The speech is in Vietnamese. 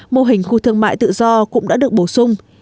mô hình khu thương mại tự do cũng đã được bổ sung